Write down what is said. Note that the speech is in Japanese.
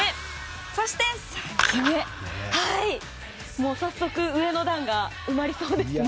もう早速上の段が埋まりそうですね。